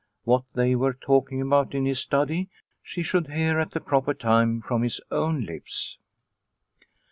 What they were talking about in his study she should hear at the proper time from his own lips.